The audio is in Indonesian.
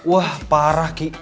wah parah kiki